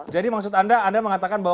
jadi maksud anda anda mengatakan bahwa